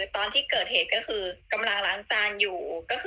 ตอนที่เกิดเหตุก็คือกำลังล้างจานอยู่